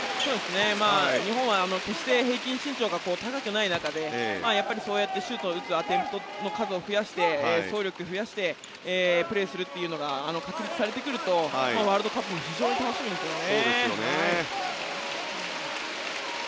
日本は決して平均身長が高くない中でそうやってシュートを打つアテンプトの数を増やして走力を増やしてプレーするというのが確立されてくるとワールドカップも非常に楽しみですよね。